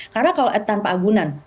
karena kalau tanpa agunan